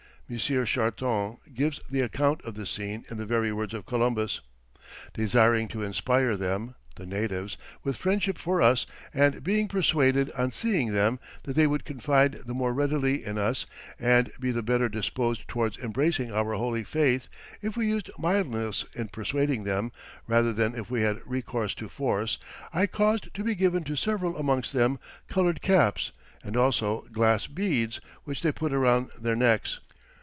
M. Charton gives the account of the scene in the very words of Columbus: "Desiring to inspire them (the natives) with friendship for us, and being persuaded, on seeing them, that they would confide the more readily in us, and be the better disposed towards embracing our Holy Faith, if we used mildness in persuading them, rather than if we had recourse to force, I caused to be given to several amongst them, coloured caps, and also glass beads, which they put around their necks.